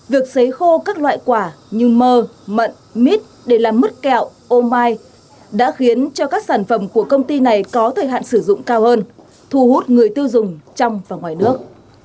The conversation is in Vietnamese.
việc xấy khô các loại quả như mơ mận mít để làm mứt kẹo ô mai đã khiến cho các sản phẩm của công ty này có thời hạn sử dụng cao hơn thu hút người tiêu dùng trong và ngoài nước